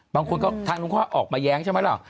บางคนก็ทางลงความออกมาแย้งใช่ไหมล่ะ